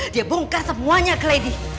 dia bongkar semuanya ke lady